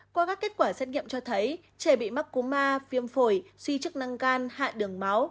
qua các kết quả xét nghiệm cho thấy trẻ bị mắc cú ma phiêm phổi suy chức năng can hạ đường máu